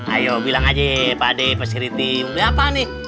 ayo bilang aja pakde pak siriti mau beli apa nih